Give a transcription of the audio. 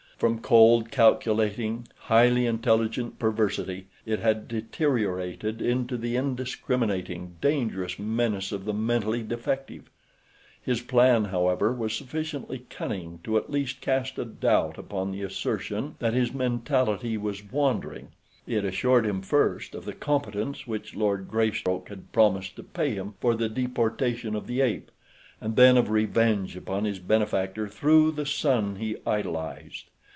From cold, calculating, highly intelligent perversity it had deteriorated into the indiscriminating, dangerous menace of the mentally defective. His plan, however, was sufficiently cunning to at least cast a doubt upon the assertion that his mentality was wandering. It assured him first of the competence which Lord Greystoke had promised to pay him for the deportation of the ape, and then of revenge upon his benefactor through the son he idolized.